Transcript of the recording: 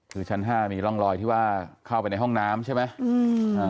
คือชั้น๕มีร่องรอยที่ว่าเข้าไปในห้องน้ำใช่ไหม